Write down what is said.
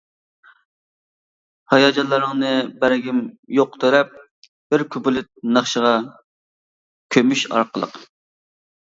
ھاياجانلىرىڭنى بەرگىم يوق تۆلەپ، بىر كۇپلېت ناخشىغا كۆمۈش ئارقىلىق.